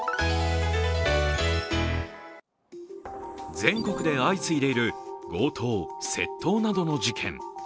全国で相次いでいる強盗・窃盗などの事件。